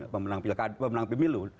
pemenang pilkada pemenang pemilu